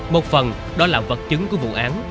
một phần đó là vật chứng của vụ án